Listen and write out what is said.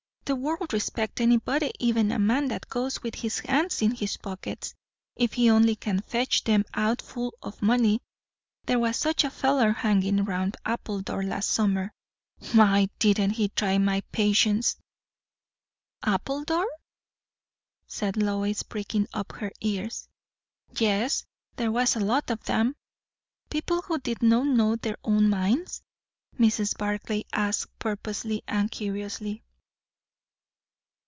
"The world'll respect anybody, even a man that goes with his hands in his pockets, if he only can fetch 'em out full o' money. There was such a feller hangin' round Appledore last summer. My! didn't he try my patience!" "Appledore?" said Lois, pricking up her ears. "Yes; there was a lot of 'em." "People who did not know their own minds?" Mrs. Barclay asked, purposely and curiously.